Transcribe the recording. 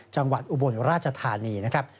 จังหวัดอุบลราชธานีนะครับ